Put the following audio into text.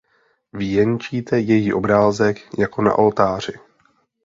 Věnčíte její obrázek jako na oltáři.